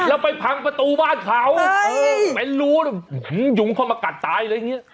เราไปพังประตูบ้านเขาเฮ้ยไปรู้หืมหยุมเข้ามากัดตายอะไรอย่างเงี้ย